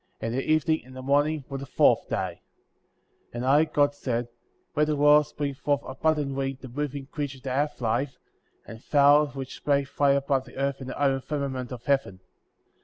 And the evening and the morning were the fourth day. 20. And I, God, said : Let the waters bring forth abundantly the moving creature that hath life, and fowl which may fly above the earth in the open firmament of heaven.